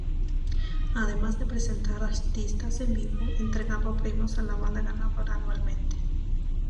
Además de presentar artistas en vivo, entregaba premios a la banda ganadora anualmente.